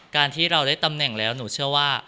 การที่เราได้ตำแหน่งแล้วหนูเชื่อว่า